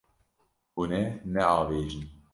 Hûn ê neavêjin.